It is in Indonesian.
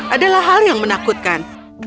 adalah hal yang menakutkan